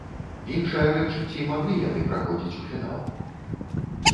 Іншая рэч, ці маглі яны праходзіць у фінал.